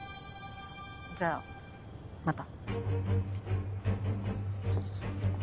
じゃあまた。